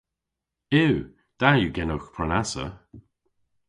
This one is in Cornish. Yw! Da yw genowgh prenassa.